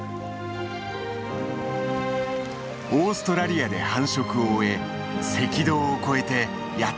オーストラリアで繁殖を終え赤道を越えてやってきた。